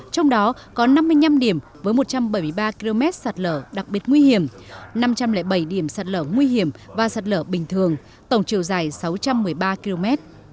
trong đó có năm mươi năm điểm với một trăm bảy mươi ba km sạt lở đặc biệt nguy hiểm năm trăm linh bảy điểm sạt lở nguy hiểm và sạt lở bình thường tổng chiều dài sáu trăm một mươi ba km